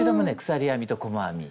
鎖編みと細編み。